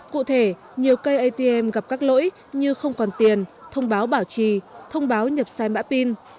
cụ thể nhiều cây atm gặp các lỗi như không còn tiền thông báo bảo trì thông báo nhập sai mã pin